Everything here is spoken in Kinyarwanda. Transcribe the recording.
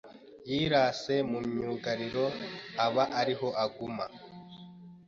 yirasa mu myugariro aba ariho aguma